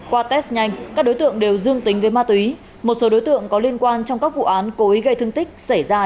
qua test nhanh các đối tượng đều dương tính với ma túy một số đối tượng có liên quan trong các vụ án cố ý gây thương tích xảy ra